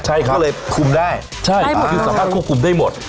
ใช่ครับคุมได้คือสามารถควบคุมได้หมด